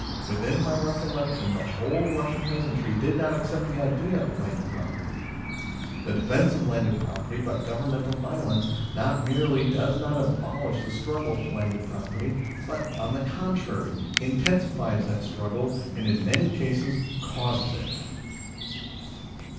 Within my recollection the whole Eussian peasantry did not accept the idea of landed property. 1 The defence of landed property by governmental violence not merely does not abolish the struggle for landed property, but, on the contrary, intensifies that struggle, and in many cases causes it.